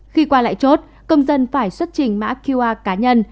khi qua lại chốt công dân phải xuất trình mã qr cá nhân